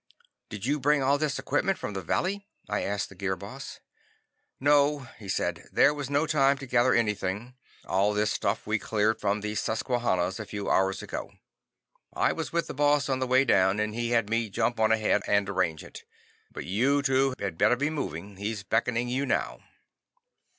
"Did you bring all this equipment from the valley?" I asked the Gear Boss. "No," he said. "There was no time to gather anything. All this stuff we cleared from the Susquannas a few hours ago. I was with the Boss on the way down, and he had me jump on ahead and arrange it. But you two had better be moving. He's beckoning you now."